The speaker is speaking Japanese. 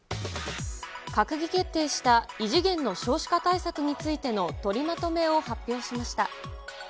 閣議決定した異次元の少子化対策についての取りまとめを発表しました。